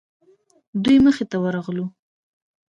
دوی مخې ته ورغلو.